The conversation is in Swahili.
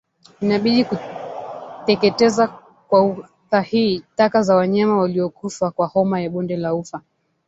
Inabidi kuteketeza kwa usahihi taka za wanyama waliokufa kwa homa ya bonde la ufa